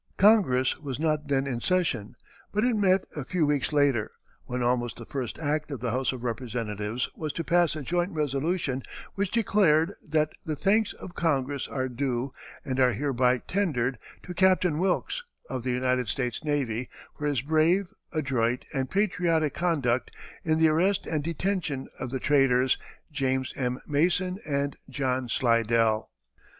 Congress was not then in session, but it met a few weeks later, when almost the first act of the House of Representatives was to pass a joint resolution which declared that "the thanks of Congress are due, and are hereby tendered, to Captain Wilkes, of the United States Navy, for his brave, adroit, and patriotic conduct in the arrest and detention of the traitors, James M. Mason and John Slidell."